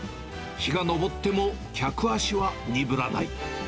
日が昇っても、客足は鈍らない。